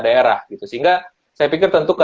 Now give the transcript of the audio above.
daerah gitu sehingga saya pikir tentu ke